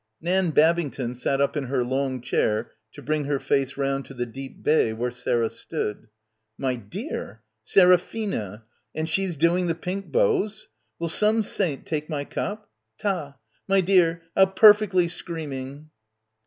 Nan Babington sat up in her long chair to bring her face round to the deep bay where Sarah stood. "My dear! Seraphina! And she's doing the pink bows! Will some saint take my cup? Ta. ... My dear, how perfectly screaming."